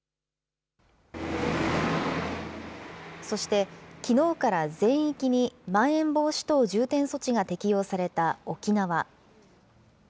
そして、きのうから全域にまん延防止等重点措置が適用された沖縄。